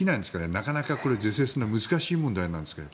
なかなか是正するのは難しい問題なんですけど。